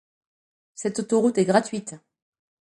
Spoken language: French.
Cette autoroute est gratuite.